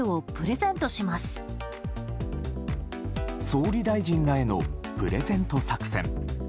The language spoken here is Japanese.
総理大臣らへのプレゼント作戦。